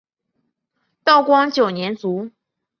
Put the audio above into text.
道光九年卒。